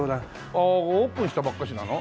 ああオープンしたばっかしなの？